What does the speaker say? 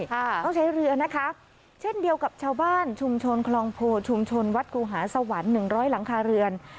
ต้องใช้เรือนะคะเช่นเดียวกับชาวบ้านชุมชนคลองโพชุมชนวัดครูหาสวรรค์หนึ่งร้อยหลังคาเรือน